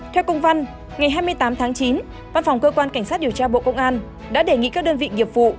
theo công văn ngày hai mươi tám tháng chín văn phòng cơ quan cảnh sát điều tra bộ công an đã đề nghị các đơn vị nghiệp vụ